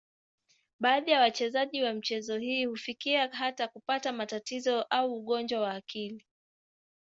Baadhi ya wachezaji wa michezo hii hufikia hata kupata matatizo au ugonjwa wa akili.